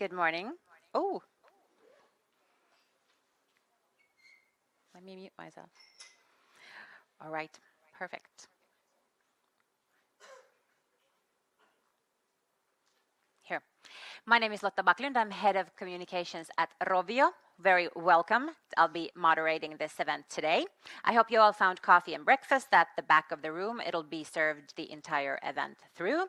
Good morning. Let me mute myself. All right, perfect. Here. My name is Lotta Backlund. I'm Head of Communications at Rovio. Very welcome. I'll be moderating this event today. I hope you all found coffee and breakfast at the back of the room. It'll be served the entire event through.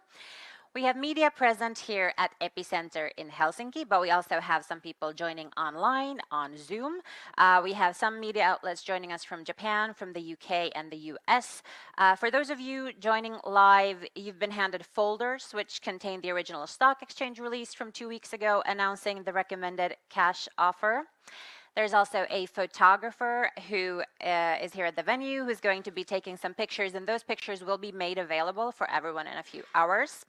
We have media present here at Epicenter in Helsinki. We also have some people joining online on Zoom. We have some media outlets joining us from Japan, from the U.K., and the U.S. For those of you joining live, you've been handed folders which contain the original stock exchange release from 2 weeks ago announcing the recommended cash offer. There's also a photographer who is here at the venue who's going to be taking some pictures. Those pictures will be made available for everyone in a few hours.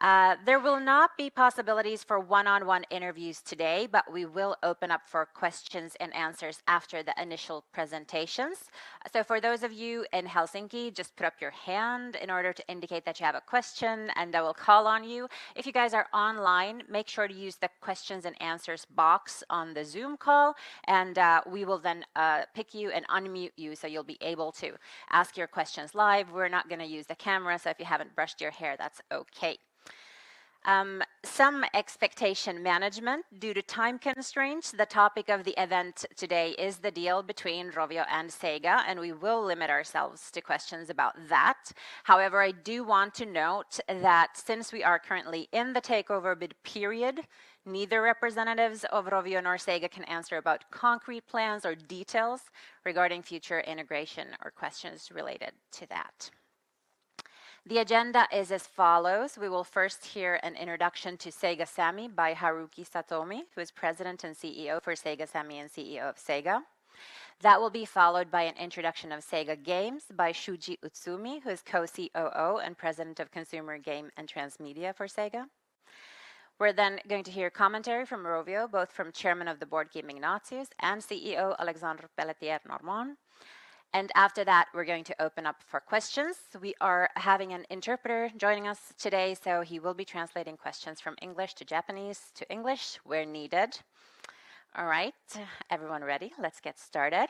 There will not be possibilities for one-on-one interviews today, but we will open up for questions and answers after the initial presentations. For those of you in Helsinki, just put up your hand in order to indicate that you have a question and I will call on you. If you guys are online, make sure to use the questions and answers box on the Zoom call, and we will then pick you and unmute you so you'll be able to ask your questions live. We're not gonna use the camera, so if you haven't brushed your hair, that's okay. Some expectation management. Due to time constraints, the topic of the event today is the deal between Rovio and Sega, and we will limit ourselves to questions about that. However, I do want to note that since we are currently in the takeover bid period, neither representatives of Rovio nor Sega can answer about concrete plans or details regarding future integration or questions related to that. The agenda is as follows: we will first hear an introduction to Sega Sammy by Haruki Satomi, who is President and CEO for Sega Sammy and CEO of Sega. That will be followed by an introduction of Sega Games by Shuji Utsumi, who is Co-COO and President of Consumer Game and Transmedia for Sega. We're then going to hear commentary from Rovio, both from Chairman of the Board Kim Ignatius and CEO Alexandre Pelletier-Normand. After that, we're going to open up for questions. We are having an interpreter joining us today, so he will be translating questions from English to Japanese to English where needed. All right. Everyone ready? Let's get started.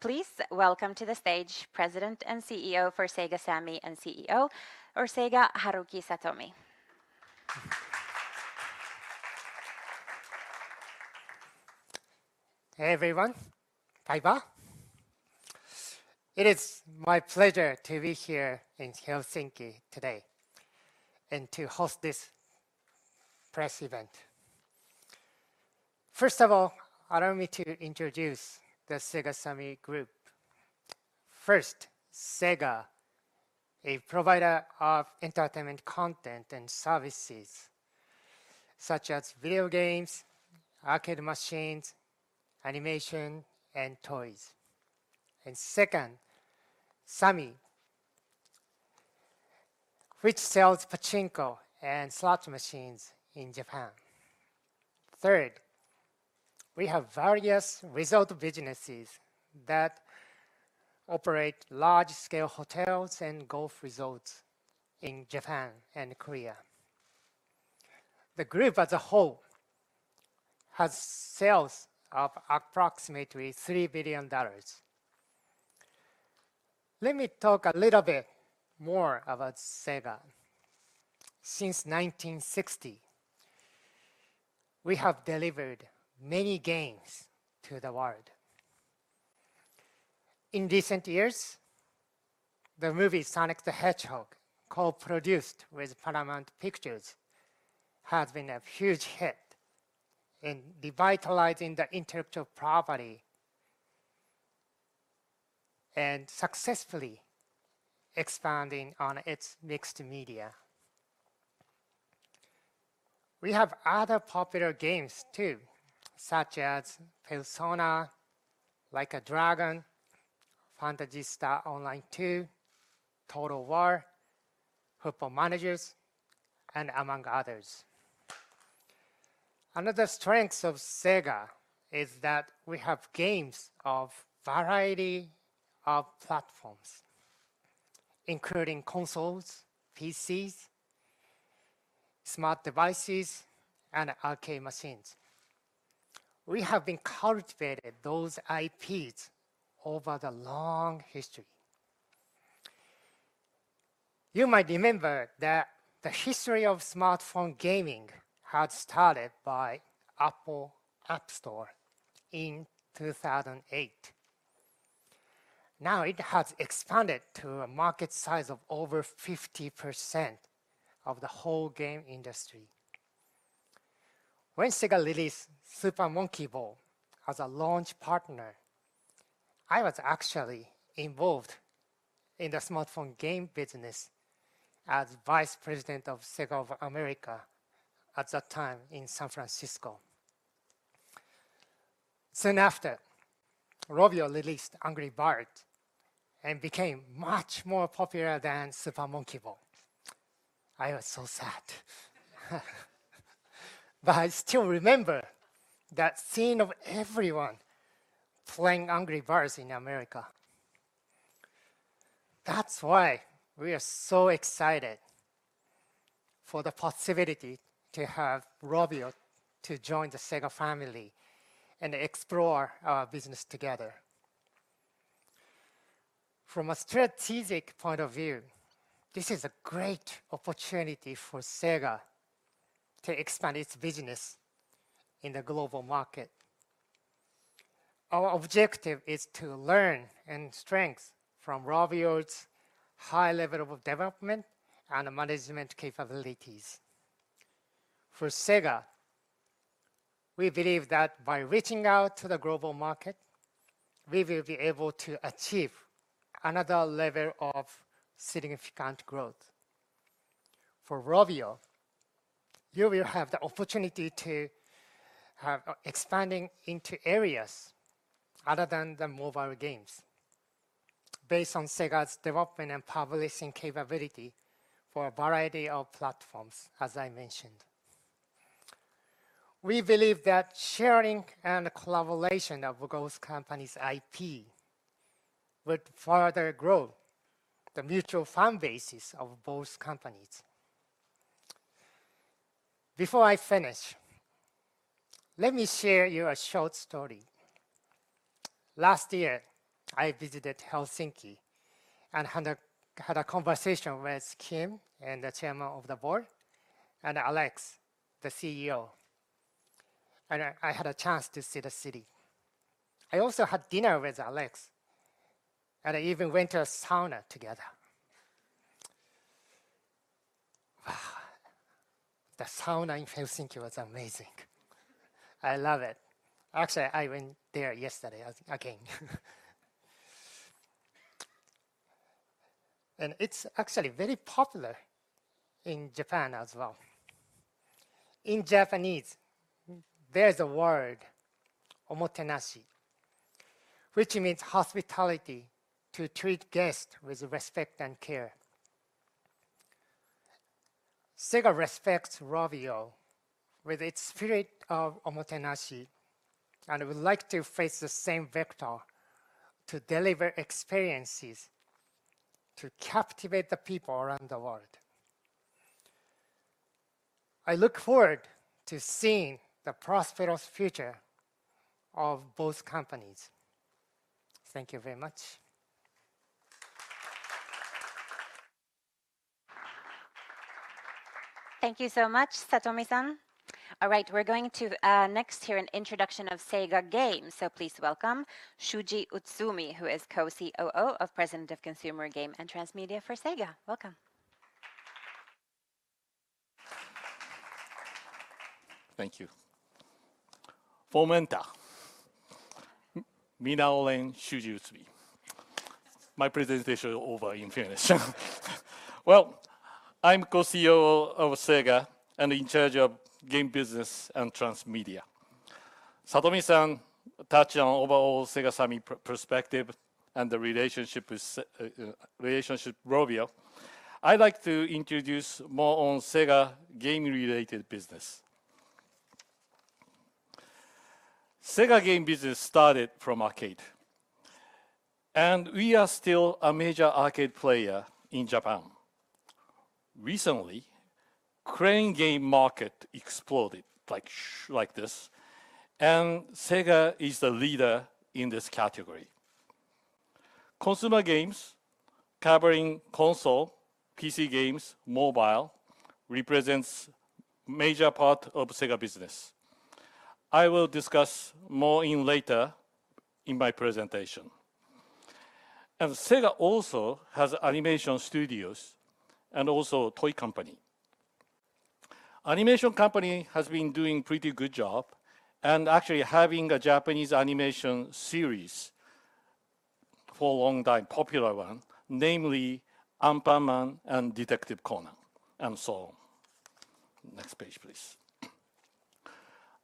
Please welcome to the stage President and CEO for Sega Sammy and CEO for Sega, Haruki Satomi. Hey everyone. Bye bye. It is my pleasure to be here in Helsinki today and to host this press event. First of all, allow me to introduce the Sega Sammy Group. First, Sega, a provider of entertainment content and services such as video games, arcade machines, animation and toys. Second, Sammy, which sells pachinko and slots machines in Japan. Third, we have various resort businesses that operate large scale hotels and golf resorts in Japan and Korea. The group as a whole has sales of approximately $3 billion. Let me talk a little bit more about Sega. Since 1960, we have delivered many games to the world. In recent years, the movie Sonic the Hedgehog, co-produced with Paramount Pictures, has been a huge hit in revitalizing the intellectual property and successfully expanding on its mixed media. We have other popular games too, such as Persona, Like a Dragon, Phantasy Star Online 2, Total War, Football Managers, and among others. Another strength of Sega is that we have games of variety of platforms, including consoles, PCs, smart devices and arcade machines. We have been cultivating those IPs over the long history. You might remember that the history of smartphone gaming had started by Apple App Store in 2008. Now it has expanded to a market size of over 50% of the whole game industry. When Sega released Super Monkey Ball as a launch partner, I was actually involved in the smartphone game business as Vice President of Sega of America at that time in San Francisco. Soon after, Rovio released Angry Birds and became much more popular than Super Monkey Ball. I was so sad. I still remember that scene of everyone playing Angry Birds in America. That's why we are so excited for the possibility to have Rovio to join the Sega family and explore our business together. From a strategic point of view, this is a great opportunity for Sega to expand its business in the global market. Our objective is to learn and strength from Rovio's high level of development and management capabilities. For Sega, we believe by reaching out to the global market, we will be able to achieve another level of significant growth. For Rovio, you will have the opportunity to have expanding into areas other than the mobile games based on Sega's development and publishing capability for a variety of platforms, as I mentioned. We believe that sharing and collaboration of both companies' IP would further grow the mutual fan bases of both companies. Before I finish, let me share you a short story. Last year, I visited Helsinki and had a conversation with Kim Ignatius, the Chairman of the Board, and Alex Pelletier-Normand, the CEO. I had a chance to see the city. I also had dinner with Alexandre Pelletier-Normand. I even went to a sauna together. Wow! The sauna in Helsinki was amazing. I love it. Actually, I went there yesterday again. It's actually very popular in Japan as well. In Japanese, there's a word, omotenashi, which means hospitality, to treat guests with respect and care. Sega respects Rovio with its spirit of omotenashi. It would like to face the same vector to deliver experiences to captivate the people around the world. I look forward to seeing the prosperous future of both companies. Thank you very much. Thank you so much, Satomi-san. All right, we're going to next hear an introduction of SEGA Corporation. Please welcome Shuji Utsumi, who is Co-COO of President of Consumer Game and Transmedia for Sega. Welcome. Thank you. My presentation over in Finnish. I'm Co-CEO of Sega and in charge of game business and transmedia. Satomi-san touched on overall Sega Sammy perspective and the relationship with Rovio. I'd like to introduce more on Sega game-related business. Sega game business started from arcade, we are still a major arcade player in Japan. Recently, crane game market exploded like this, Sega is the leader in this category. Consumer games covering console, PC games, mobile, represents major part of Sega business. I will discuss more in later in my presentation. Sega also has animation studios and also a toy company. Animation company has been doing pretty good job and actually having a Japanese animation series for a long time, popular one, namely Anpanman and Detective Conan and so on. Next page, please.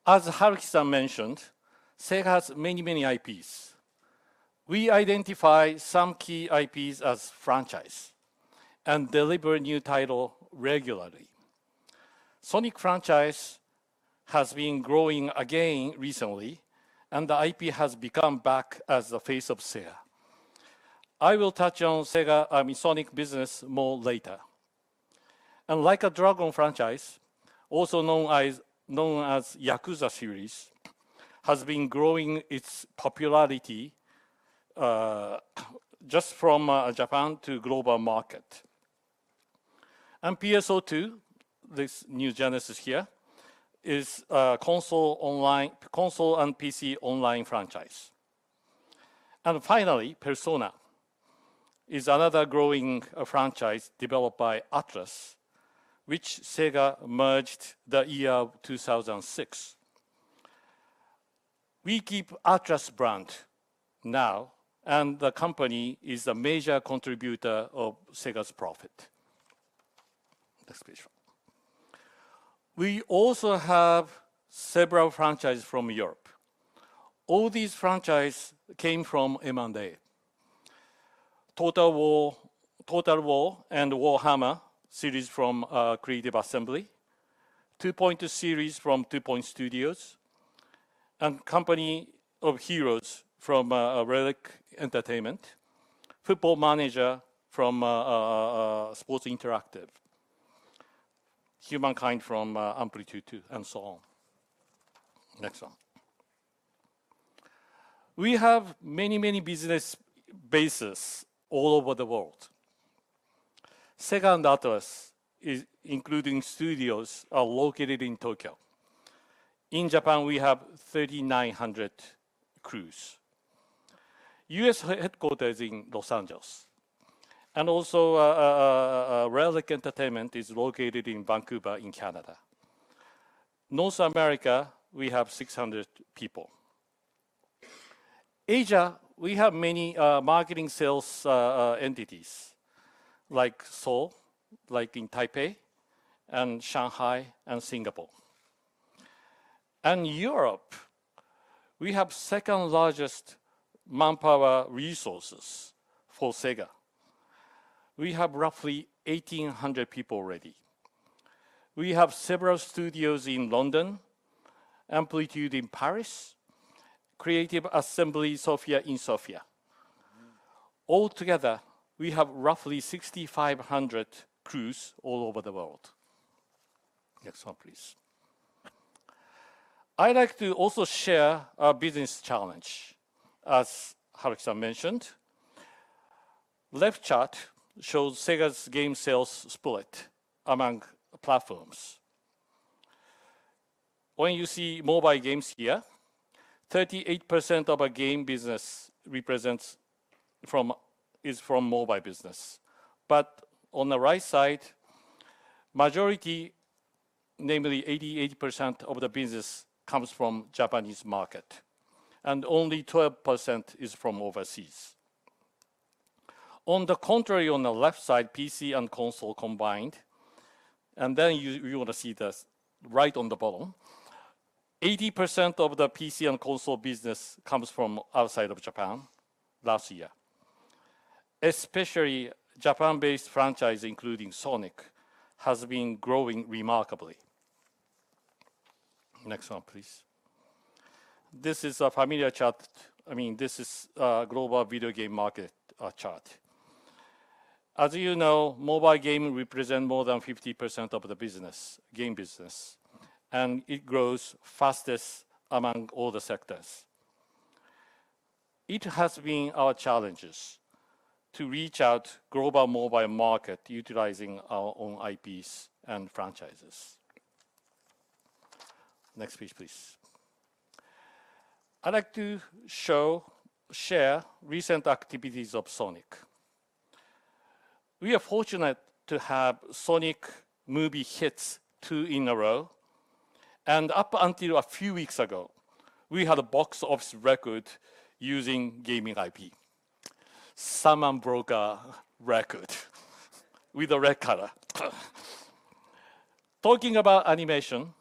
As Haruki-san mentioned, Sega has many IPs. We identify some key IPs as franchise and deliver new title regularly. Sonic franchise has been growing again recently, the IP has become back as the face of Sega. I will touch on Sega, I mean, Sonic business more later. Like a Dragon franchise, also known as Yakuza series, has been growing its popularity just from Japan to global market. PSO2, this new genesis here, is a console and PC online franchise. Finally, Persona is another growing franchise developed by Atlus, which Sega merged 2006. We keep Atlus brand now, the company is a major contributor of Sega's profit. Next page. We also have several franchises from Europe. All these franchise came from M&A. Total War, and Warhammer series from Creative Assembly. Two Point series from Two Point Studios. Company of Heroes from Relic Entertainment. Football Manager from Sports Interactive. HUMANKIND from Amplitude and so on. Next one. We have many business bases all over the world. Sega and Atlus including studios are located in Tokyo. In Japan, we have 3,900 crews. U.S. headquarters in Los Angeles, and also Relic Entertainment is located in Vancouver in Canada. North America, we have 600 people. Asia, we have many marketing sales entities like Seoul, like in Taipei and Shanghai and Singapore. Europe, we have second-largest manpower resources for Sega. We have roughly 1,800 people ready. We have several studios in London, Amplitude in Paris, Creative Assembly Sofia in Sofia. Altogether, we have roughly 6,500 crews all over the world. Next one, please. I'd like to also share our business challenge as Alex mentioned. Left chart shows Sega's game sales split among platforms. When you see mobile games here, 38% of our game business is from mobile business. On the right side, majority, namely 88% of the business comes from Japanese market and only 12% is from overseas. On the contrary, on the left side, PC and console combined, you want to see this right on the bottom. 80% of the PC and console business comes from outside of Japan last year. Especially Japan-based franchise, including Sonic, has been growing remarkably. Next one, please. This is a familiar chart. I mean, this is a global video game market chart. As you know, mobile gaming represent more than 50% of the business, game business, and it grows fastest among all the sectors. It has been our challenges to reach out global mobile market utilizing our own IPs and franchises. Next page, please. I'd like to share recent activities of Sonic. We are fortunate to have Sonic movie hits 2 in a row, and up until a few weeks ago, we had a box office record using gaming IP. Someone broke a record with a Red color. Talking about animation,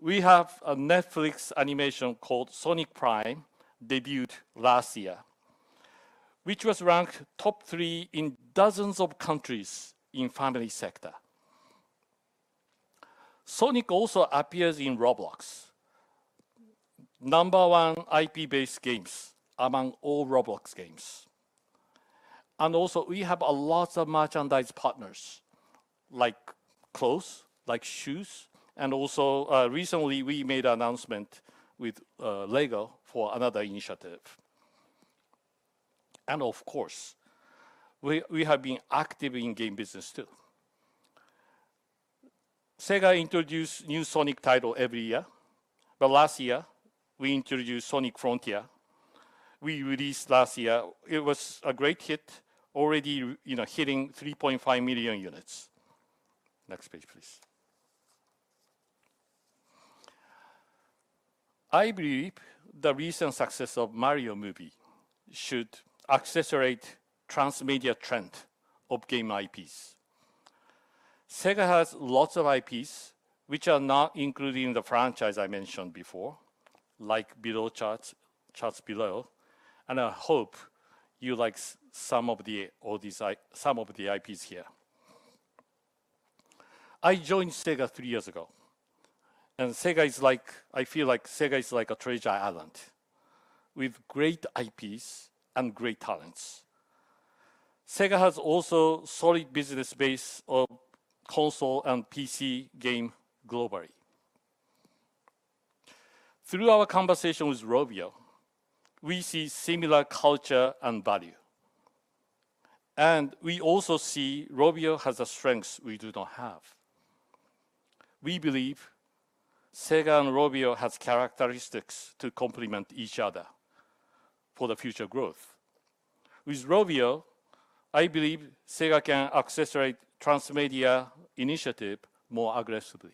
we have a Netflix animation called Sonic Prime debuted last year, which was ranked top 3 in dozens of countries in family sector. Sonic also appears in Roblox, number 1 IP-based games among all Roblox games. Also we have a lots of merchandise partners like clothes, like shoes, and also recently we made an announcement with LEGO for another initiative. Of course, we have been active in game business too. Sega introduce new Sonic title every year, but last year we introduced Sonic Frontiers. We released last year. It was a great hit already, you know, hitting 3.5 million units. Next page, please. I believe the recent success of Mario movie should accelerate transmedia trend of game IPs. Sega has lots of IPs which are not included in the franchise I mentioned before, like below charts below, and I hope you like some of the IPs here. I joined Sega three years ago, and I feel like Sega is like a treasure island with great IPs and great talents. Sega has also solid business base of console and PC game globally. Through our conversation with Rovio, we see similar culture and value, and we also see Rovio has a strength we do not have. We believe Sega and Rovio has characteristics to complement each other for the future growth. With Rovio, I believe Sega can accelerate transmedia initiative more aggressively.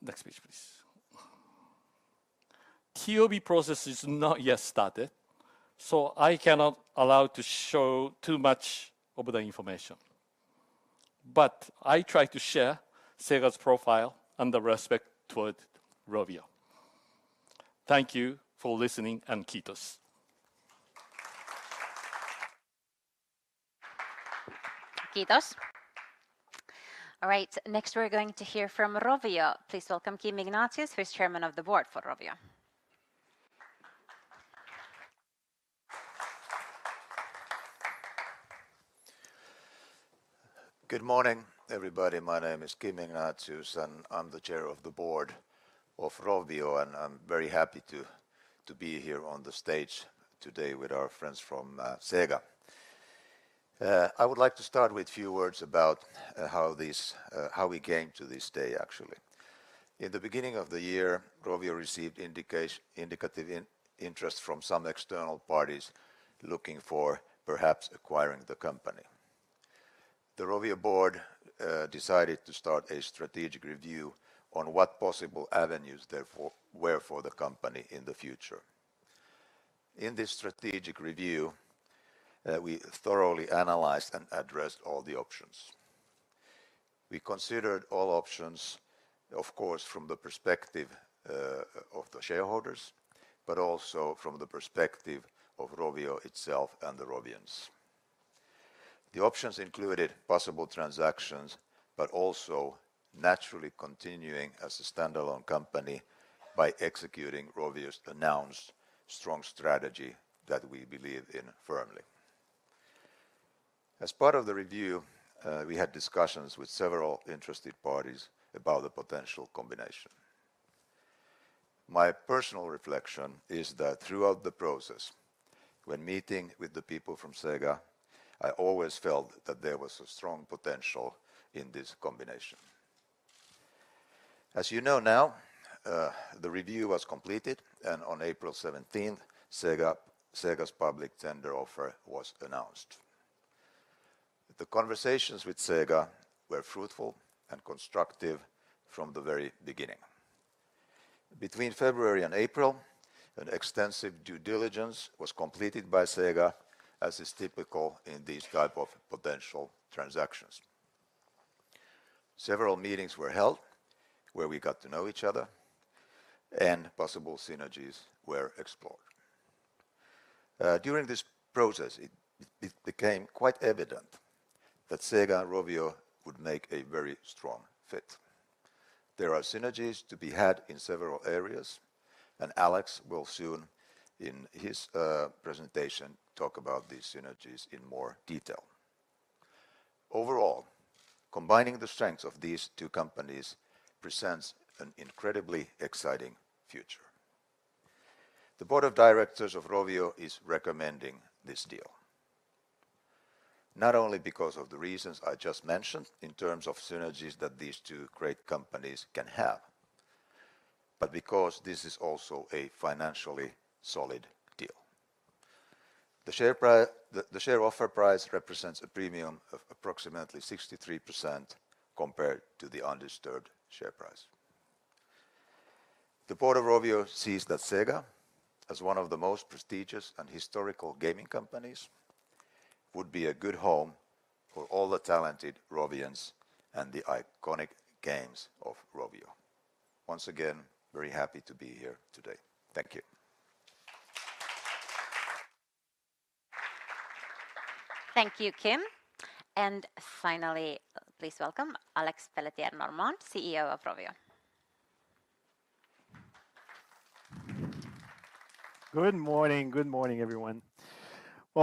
Next page, please. TOB process is not yet started, so I cannot allow to show too much of the information, but I try to share Sega's profile and the respect towards Rovio. Thank you for listening and kiitos. All right, next we're going to hear from Rovio. Please welcome Kim Ignatius, who is chairman of the board for Rovio. Good morning, everybody. My name is Kim Ignatius, and I'm the chair of the board of Rovio, and I'm very happy to be here on the stage today with our friends from Sega. I would like to start with a few words about how we came to this day actually. In the beginning of the year, Rovio received indicative interest from some external parties looking for perhaps acquiring the company. The Rovio board decided to start a strategic review on what possible avenues therefore were for the company in the future. In this strategic review, we thoroughly analyzed and addressed all the options. We considered all options, of course, from the perspective of the shareholders, but also from the perspective of Rovio itself and the Rovians. The options included possible transactions, but also naturally continuing as a standalone company by executing Rovio's announced strong strategy that we believe in firmly. As part of the review, we had discussions with several interested parties about the potential combination. My personal reflection is that throughout the process, when meeting with the people from Sega, I always felt that there was a strong potential in this combination. As you know now, the review was completed, and on April 17th, Sega's public tender offer was announced. The conversations with Sega were fruitful and constructive from the very beginning. Between February and April, an extensive due diligence was completed by Sega, as is typical in these type of potential transactions. Several meetings were held where we got to know each other and possible synergies were explored. During this process, it became quite evident that Sega and Rovio would make a very strong fit. There are synergies to be had in several areas. Alex will soon, in his presentation, talk about these synergies in more detail. Overall, combining the strengths of these two companies presents an incredibly exciting future. The board of directors of Rovio is recommending this deal, not only because of the reasons I just mentioned in terms of synergies that these two great companies can have, but because this is also a financially solid deal. The share offer price represents a premium of approximately 63% compared to the undisturbed share price. The board of Rovio sees that Sega, as one of the most prestigious and historical gaming companies, would be a good home for all the talented Rovians and the iconic games of Rovio. Once again, very happy to be here today. Thank you. Thank you, Kim. Finally, please welcome Alex Pelletier-Normand, CEO of Rovio. Good morning. Good morning, everyone.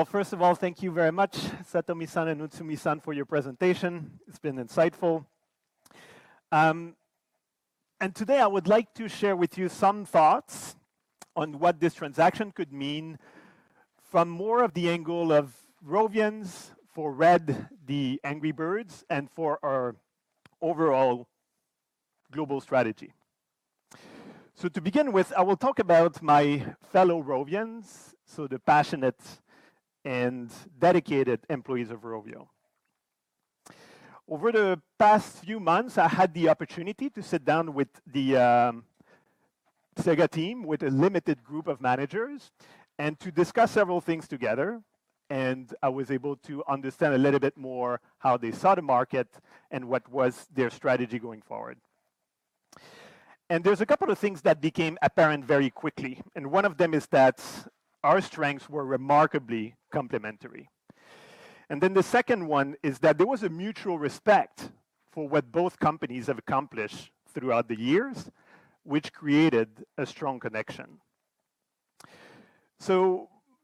First of all, thank you very much, Satomi-san and Utsumi-san, for your presentation. It's been insightful. Today, I would like to share with you some thoughts on what this transaction could mean from more of the angle of Rovians for Red the Angry Birds and for our overall global strategy. To begin with, I will talk about my fellow Rovians, so the passionate and dedicated employees of Rovio. Over the past few months, I had the opportunity to sit down with the Sega team, with a limited group of managers, and to discuss several things together, and I was able to understand a little bit more how they saw the market and what was their strategy going forward. There's two things that became apparent very quickly, and one of them is that our strengths were remarkably complementary. The second one is that there was a mutual respect for what both companies have accomplished throughout the years, which created a strong connection.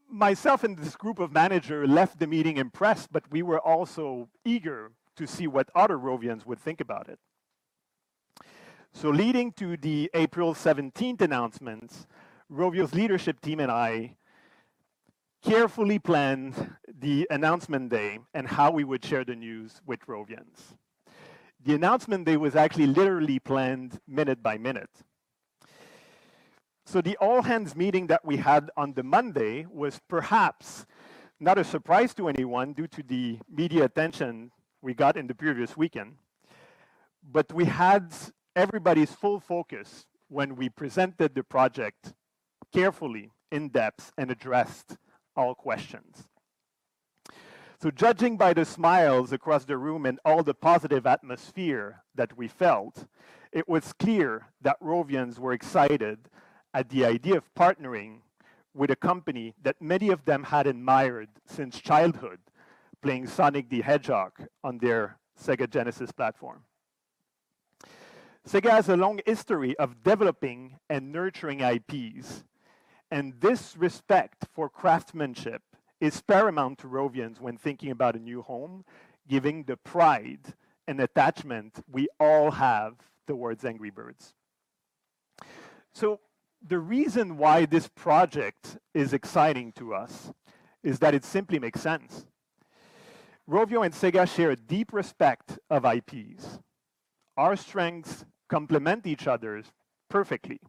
Myself and this group of manager left the meeting impressed, but we were also eager to see what other Rovians would think about it. Leading to the April 17th announcements, Rovio's leadership team and I carefully planned the announcement day and how we would share the news with Rovians. The announcement day was actually literally planned minute by minute. The all-hands meeting that we had on the Monday was perhaps not a surprise to anyone due to the media attention we got in the previous weekend, but we had everybody's full focus when we presented the project carefully, in depth, and addressed all questions. Judging by the smiles across the room and all the positive atmosphere that we felt, it was clear that Rovians were excited at the idea of partnering, with a company that many of them had admired since childhood playing Sonic the Hedgehog on their Sega Genesis platform. Sega has a long history of developing and nurturing IPs, and this respect for craftsmanship is paramount to Rovians when thinking about a new home, given the pride and attachment we all have towards Angry Birds. The reason why this project is exciting to us is that it simply makes sense. Rovio and Sega share a deep respect of IPs. Our strengths complement each other's perfectly.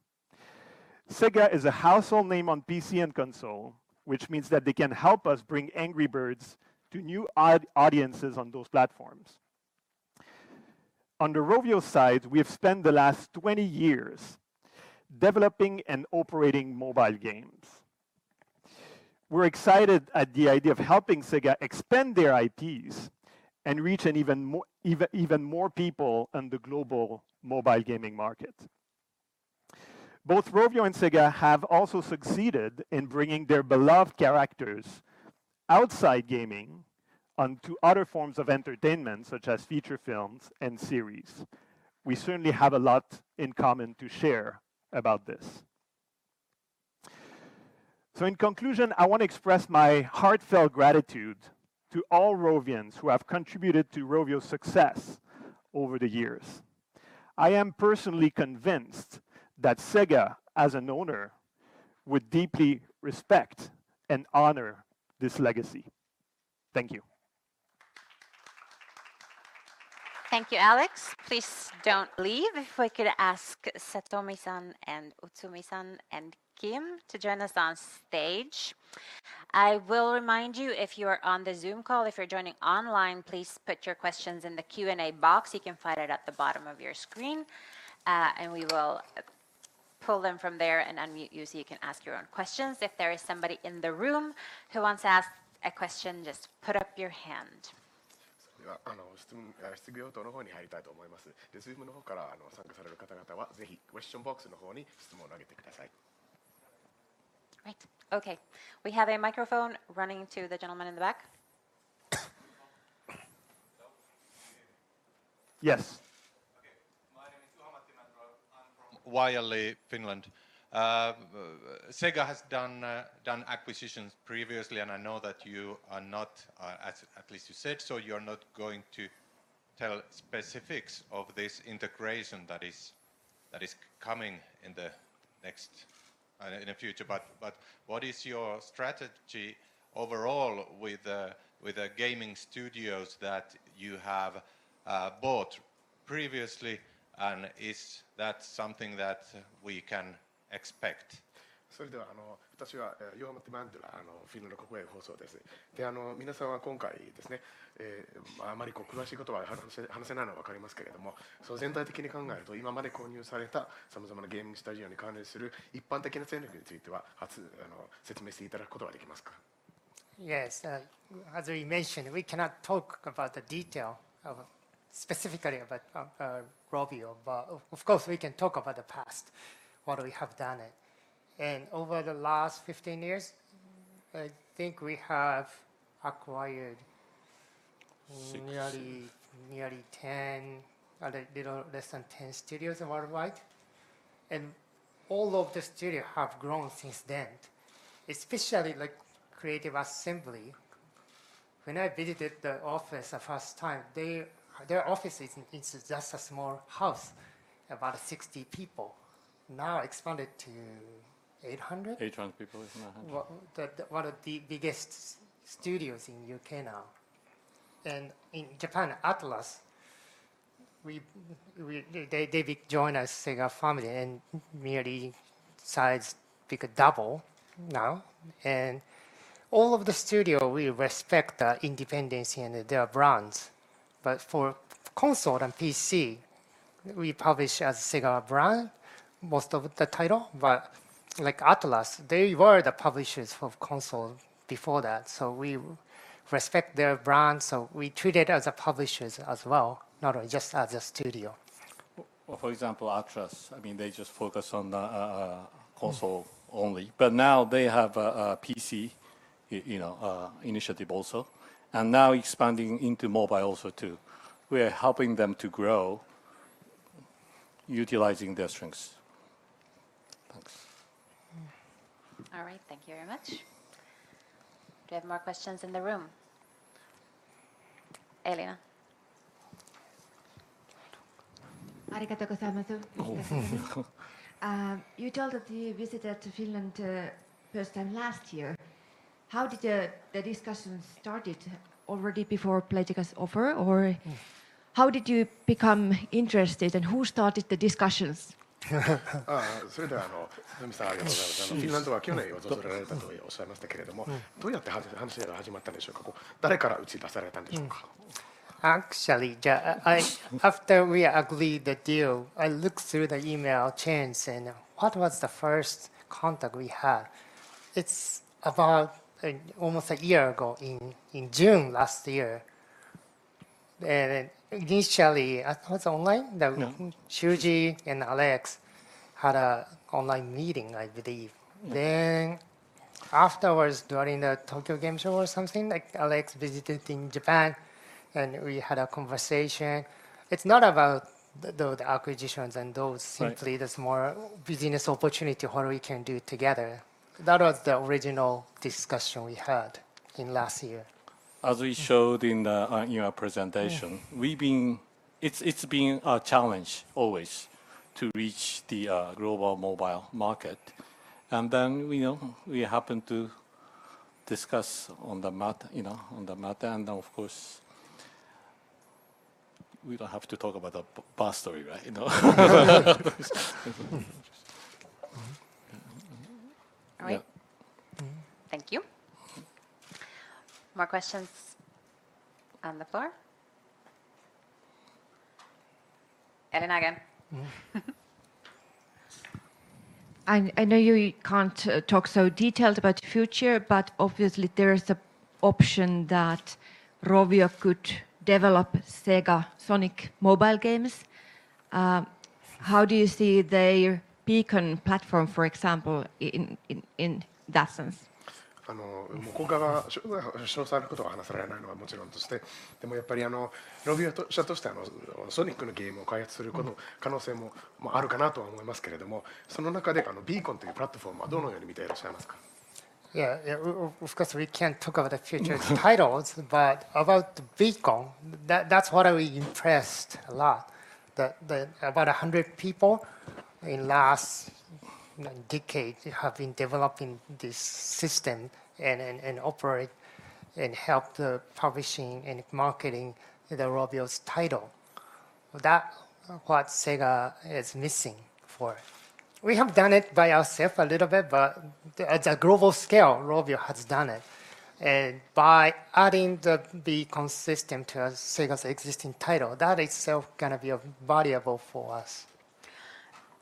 Sega is a household name on PC and console, which means that they can help us bring Angry Birds to new audiences on those platforms. On the Rovio side, we have spent the last 20 years developing and operating mobile games. We're excited at the idea of helping Sega expand their IPs and reach an even more people on the global mobile gaming market. Both Rovio and Sega have also succeeded in bringing their beloved characters outside gaming onto other forms of entertainment, such as feature films and series. We certainly have a lot in common to share about this. In conclusion, I want to express my heartfelt gratitude to all Rovians who have contributed to Rovio's success over the years. I am personally convinced that Sega, as an owner, would deeply respect and honor this legacy. Thank you. Thank you, Alex. Please don't leave. We could ask Satomi-san and Utsumi-san and Kim to join us on stage. I will remind you if you're on the Zoom call, if you're joining online, please put your questions in the Q&A box. You can find it at the bottom of your screen. We will pull them from there and unmute you so you can ask your own questions. There is somebody in the room who wants to ask a question, just put up your hand. Right. Okay. We have a microphone running to the gentleman in the back. Yes. Okay. My name is Juha-Matti Mäntylä. I'm from Yle, Finland. Sega has done acquisitions previously, I know that you are not at least you said so, you're not going to tell specifics of this integration that is coming in the next... in the future. What is your strategy overall with the gaming studios that you have bought previously, and is that something that we can expect? As we mentioned, we cannot talk specifically about Rovio. Of course, we can talk about the past, what we have done. Over the last 15 years, I think we have acquired. Six... nearly 10 or a little less than 10 studios worldwide. All of the studio have grown since then, especially like Creative Assembly. When I visited the office the first time, their office is in, it's just a small house, about 60 people. Now expanded to 800? 800 people, isn't it, Harada? One of the biggest studios in U.K. now. In Japan, Atlus, they've joined us Sega family, and merely size become double now. All of the studio, we respect the independence and their brands. For console and PC, we publish as Sega brand most of the title. Like Atlus, they were the publishers of console before that, so we respect their brand, so we treat it as a publishers as well, not only just as a studio. For example, Atlus, I mean, they just focus on the console only. Now they have a PC, you know, initiative also, and now expanding into mobile also too. We're helping them to grow, utilizing their strengths. Thanks. All right. Thank you very much. Do we have more questions in the room? Elena. Hello. Thank you. You told that you visited Finland first time last year. How did the discussion started already before Playtika's offer? How did you become interested, and who started the discussions? Actually, After we agreed the deal, I looked through the email chains and what was the first contact we had. It's about, almost a year ago in June last year. Initially, I thought it's online? No. Shuji and Alex had a online meeting, I believe. Afterwards, during the Tokyo Game Show or something, like Alex visited in Japan, and we had a conversation. It's not about the acquisitions and those- Right simply there's more business opportunity, what we can do together. That was the original discussion we had in last year. As we showed in the in our presentation. It's been a challenge always to reach the global mobile market. You know, we happen to discuss on the matter. Of course, we don't have to talk about the past story, right? You know. All right. Yeah. Thank you. More questions on the floor? Elena again. I know you can't talk so detailed about future, but obviously there is a option that Rovio could develop Sega Sonic mobile games. How do you see their Beacon platform, for example, in that sense? Yeah, yeah. Of course we can't talk about the future titles. About Beacon, that's what I impressed a lot. The about 100 people in last, like decade have been developing this system and operate and help the publishing and marketing the Rovio's title. That what Sega is missing for. We have done it by ourself a little bit, but at a global scale, Rovio has done it. By adding the Beacon system to Sega's existing title, that itself can be of valuable for us.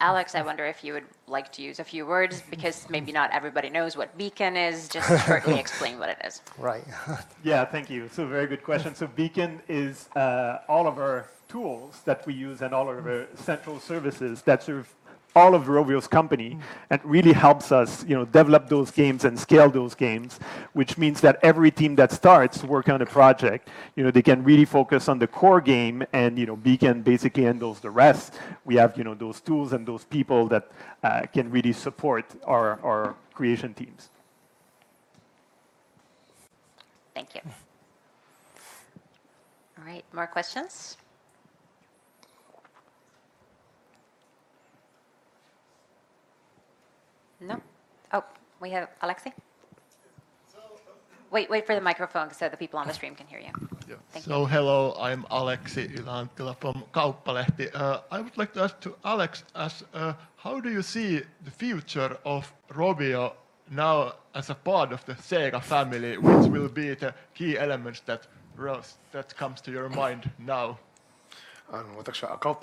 Alex, I wonder if you would like to use a few words because maybe not everybody knows what Beacon is. Just shortly explain what it is. Right. Yeah. Thank you. It's a very good question. Beacon is all of our tools that we use and all of our central services that serve all of Rovio's company, and really helps us, you know, develop those games and scale those games, which means that every team that starts work on a project, you know, they can really focus on the core game and, you know, Beacon basically handles the rest. We have, you know, those tools and those people that can really support our creation teams. Thank you. All right. More questions? No. Oh, we have Aleksi. So- Wait, wait for the microphone so the people on the stream can hear you. Yeah. Thank you. Hello. I'm Aleksi Ylä-Anttila from Kauppalehti. I would like to ask to Alex as, how do you see the future of Rovio now as a part of the Sega family? Which will be the key elements that comes to your mind now? Without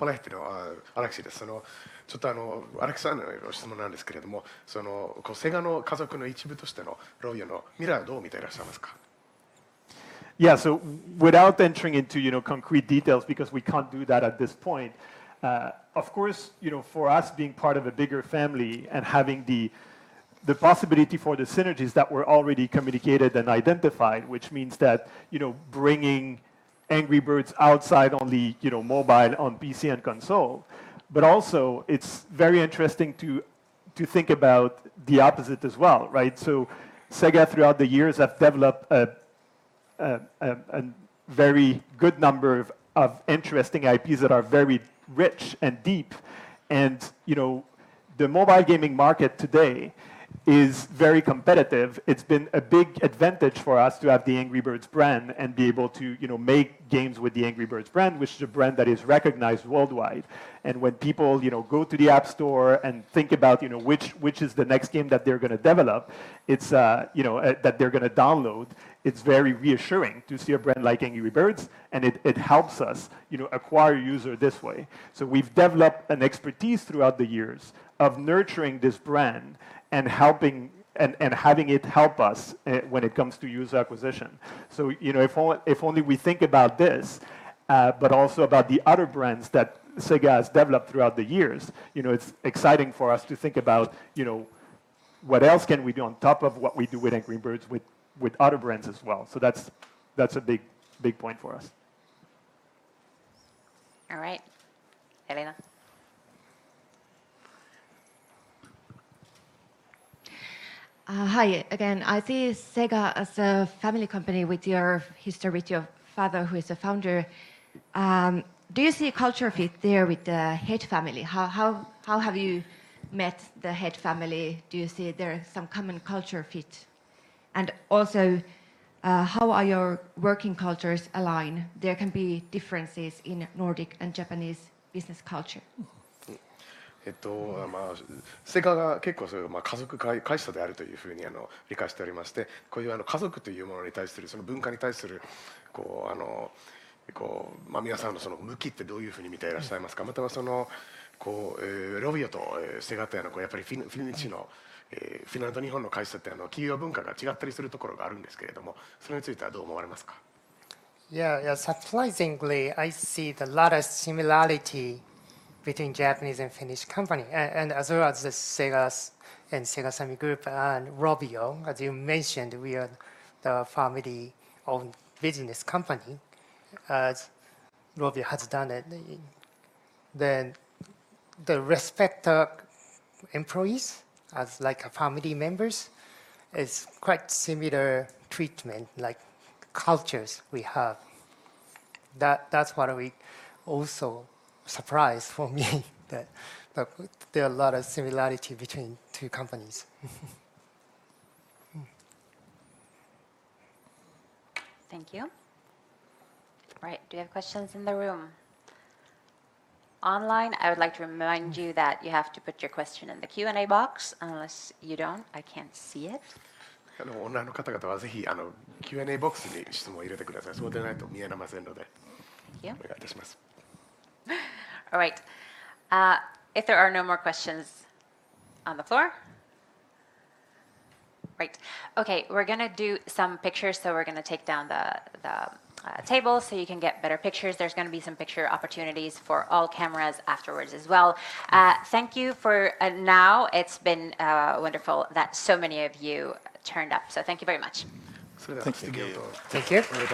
entering into, you know, concrete details because we can't do that at this point. Of course, you know, for us being part of a bigger family and having the possibility for the synergies that were already communicated and identified, which means that, you know, bringing Angry Birds outside on the, you know, mobile, on PC and console. Also, it's very interesting to think about the opposite as well, right? Sega throughout the years have developed a very good number of interesting IPs that are very rich and deep. You know, the mobile gaming market today is very competitive. It's been a big advantage for us to have the Angry Birds brand and be able to, you know, make games with the Angry Birds brand, which is a brand that is recognized worldwide. When people, you know, go to the App Store and think about, you know, which is the next game that they're gonna develop, it's, you know, that they're gonna download, it's very reassuring to see a brand like Angry Birds, and it helps us, you know, acquire user this way. We've developed an expertise throughout the years of nurturing this brand and having it help us, when it comes to user acquisition. If only we think about this, but also about the other brands that Sega has developed throughout the years, you know, it's exciting for us to think about, you know, what else can we do on top of what we do with Angry Birds with other brands as well. That's a big, big point for us. All right. Elena. Hi again. I see Sega as a family company with your history with your father who is a founder. Do you see a culture fit there with the head family? How have you met the head family? Do you see there some common culture fit? Also, how are your working cultures align? There can be differences in Nordic and Japanese business culture. Yeah. Surprisingly, I see the lot of similarity between Japanese and Finnish company and as well as the Sega and Sega Sammy group and Rovio. As you mentioned, we are the family-owned business company, as Rovio has done it. The respect of employees as like a family members is quite similar treatment, like cultures we have. That's what we also surprise for me that there are a lot of similarity between two companies. Thank you. All right. Do we have questions in the room? Online, I would like to remind you that you have to put your question in the Q&A box, unless you don't, I can't see it. Thank you. All right. If there are no more questions on the floor. Great. Okay, we're gonna do some pictures, so we're gonna take down the table so you can get better pictures. There's gonna be some picture opportunities for all cameras afterwards as well. Thank you for now. It's been wonderful that so many of you turned up, so thank you very much. Thanks again. Thank you. Thank you.